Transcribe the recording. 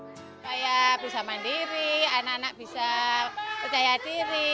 supaya anak anak bisa berpikiran sendiri anak anak bisa percaya diri